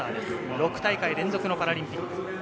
６大会連続のパラリンピック。